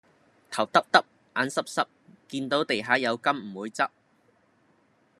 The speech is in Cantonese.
頭耷耷,眼濕濕,見到地下有金唔會執